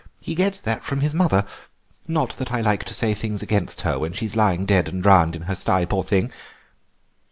He gets that from his mother—not that I like to say things against her when she's lying dead and drowned in her stye, poor thing.